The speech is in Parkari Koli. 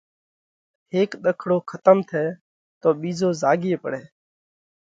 هيڪ ۮکڙو کتم ٿئه تو ٻِيزو زاڳي پڙئه۔